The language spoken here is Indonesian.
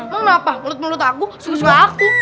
kenapa menurut menurut aku sungguh sungguh aku